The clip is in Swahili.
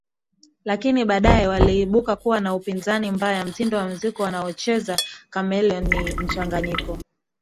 lakini baadaye waliibuka kuwa na upinzani mbaya Mtindo wa muziki anaocheza Chameleone ni mchanganyiko